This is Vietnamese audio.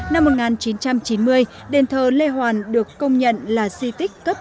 năm một nghìn chín trăm chín mươi đền thờ lê hoàn được công nhận là di tích cấp